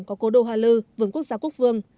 có cố đô hoa lư vườn quốc gia quốc vương